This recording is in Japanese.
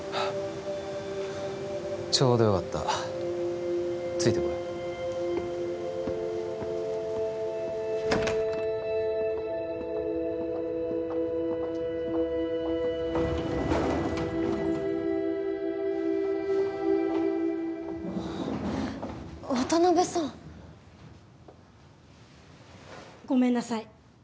ちょうどよかったついてこい渡辺さんごめんなさい